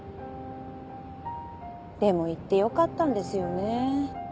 でも言ってよかったんですよね。